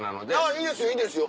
いいですよいいですよ